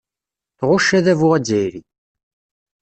Tɣucc adabu azzayri.